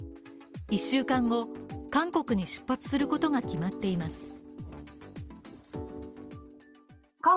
１週間後韓国に出発することが決まっています。